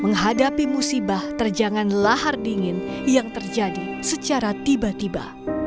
menghadapi musibah terjangan lahar dingin yang terjadi secara tiba tiba